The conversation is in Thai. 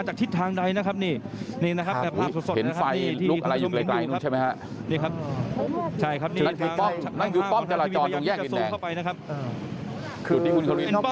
นั่งอยู่ป้องจราจรยงแย่งเวียงแดง